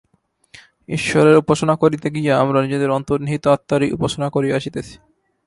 ঈশ্বরের উপাসনা করিতে গিয়া আমরা নিজেদের অন্তর্নিহিত আত্মারই উপাসনা করিয়া আসিতেছি।